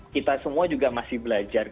kita semua juga masih belajar